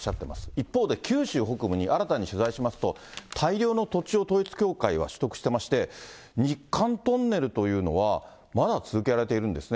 一方で九州北部に、新たに取材しますと、大量の土地を統一教会は取得してまして、日韓トンネルというのは、まだ続けられているんですね。